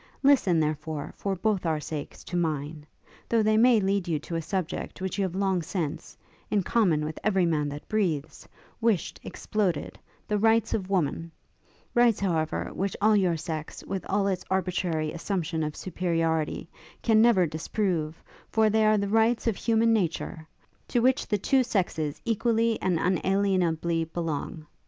Listen, therefore, for both our sakes, to mine: though they may lead you to a subject which you have long since, in common with every man that breathes, wished exploded, the Rights of woman: Rights, however, which all your sex, with all its arbitrary assumption of superiority, can never disprove, for they are the Rights of human nature; to which the two sexes equally and unalienably belong.